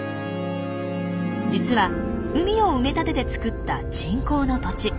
実は海を埋め立てて造った人工の土地。